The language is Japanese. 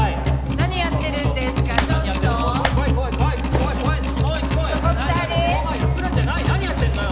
何やってんのよ？